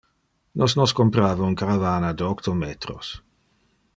Nos nos comprava un caravana de octo metros.